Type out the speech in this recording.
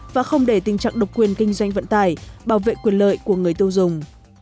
và không để tình trạng độc quyền kinh doanh vận tải bảo vệ quyền lợi của người tiêu dùng